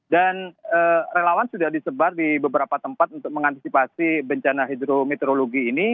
dan relawan sudah disebar di beberapa tempat untuk mengantisipasi bencana hidrometeorologi ini